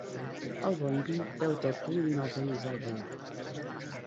El bon vi, beu-te'l tu i no el donis al veí.